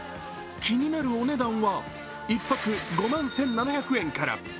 気になるお値段は１泊５万１７００円から。